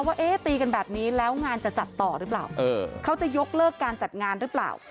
ว่าเอ๊ะตีกันแบบนี้แล้วงานจะจัดต่อหรือเปล่าเขาจะยกเลิกการจัดงานหรือเปล่า